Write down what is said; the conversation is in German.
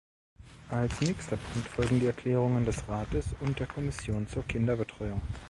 Als nächster Punkt folgen die Erklärungen des Rates und der Kommission zur Kinderbetreuung.